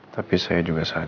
tapi saya juga sadar